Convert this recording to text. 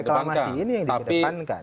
reklamasi ini yang dikedepankan